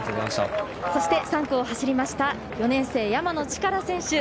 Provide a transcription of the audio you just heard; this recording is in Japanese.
そして３区を走りました４年生、山野力選手。